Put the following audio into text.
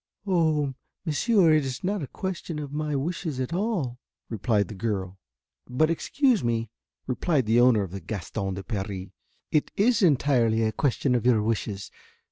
"Oh, monsieur, it is not a question of my wishes at all," replied the girl. "But, excuse me," replied the owner of the Gaston de Paris, "it is entirely a question of your wishes.